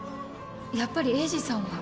やっぱり栄治さんは。